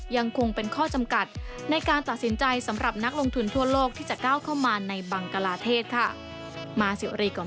ยังคงเป็นข้อจำกัดในการตัดสินใจสำหรับนักลงทุนทั่วโลกที่จะก้าวเข้ามาในบังกลาเทศค่ะ